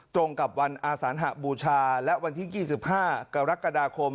ตรงกับวันอาสานหบูชาและวันที่๒๕กรกฎาคม